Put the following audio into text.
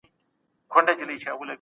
کوم هیواد غواړي ثبات نور هم پراخ کړي؟